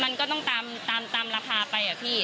มันก็ต้องตามราคาไปอะพี่